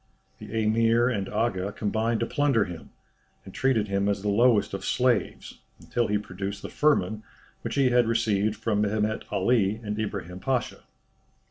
The Emir and Aga combined to plunder him, and treated him as the lowest of slaves, until he produced the firman which he had received from Mehemet Ali and Ibrahim Pasha.